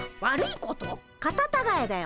カタタガエだよ。